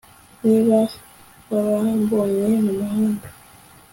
niba warambonye mumuhanda